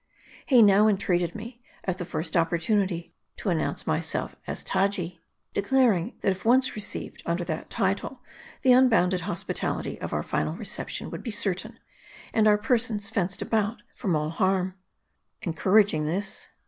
He now entreated me, at the first opportunity, to an nounce myself as Taji : declaring that if once received under that title, the unbounded hospitality of our final reception would be certain ; and our persons fenced about from all harm. Encouraging this.